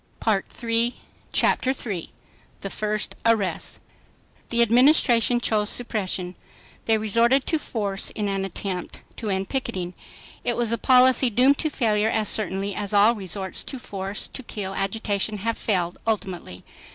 Chapter 3 The First Arrests The Administration chose suppression. They resorted to force in an attempt to end picketing. It was a policy doomed to failure as certainly as all resorts to force to kill agitation have failed ultimately.